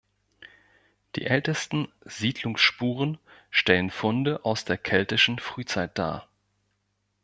Die ältesten Siedlungsspuren stellen Funde aus der keltischen Frühzeit dar.